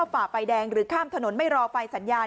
ฝ่าไฟแดงหรือข้ามถนนไม่รอไฟสัญญาณ